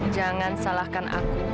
jangan salahkan aku